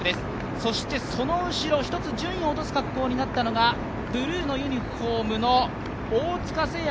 そしてその後ろ、１つ順位を落とす格好になったのがブルーのユニフォームの大塚製薬